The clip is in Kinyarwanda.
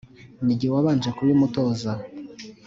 Ni jye wabanje kubimutoza!